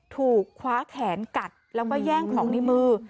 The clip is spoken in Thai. ถูกคว้าแขนกัดแล้วก็แย่งของในมือ